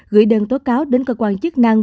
gửi đơn tố cáo đến cơ quan chức năng